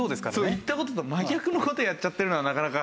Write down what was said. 言った事と真逆の事やっちゃってるのはなかなか。